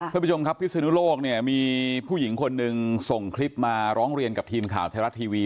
ท่านผู้ชมครับพิศนุโลกเนี่ยมีผู้หญิงคนหนึ่งส่งคลิปมาร้องเรียนกับทีมข่าวไทยรัฐทีวี